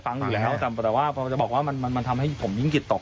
ฟังอยู่แล้วแต่ว่าพอจะบอกว่ามันมันทำให้ผมยิ่งจิตตก